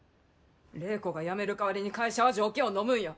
礼子がやめる代わりに会社は条件をのむんや。